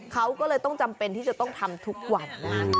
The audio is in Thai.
เขาก็เลยต้องจำเป็นที่จะต้องทำทุกวัน